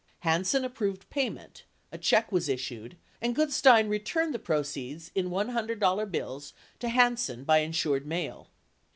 Hansen approved payment, a check was issued, and Gutstein returned the proceeds in $100 bills to Hansen by insured mail.